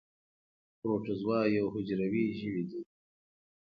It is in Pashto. پروټوزوا یو حجروي ژوي دي